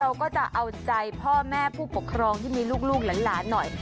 เราก็จะเอาใจพ่อแม่ผู้ปกครองที่มีลูกหลานหน่อย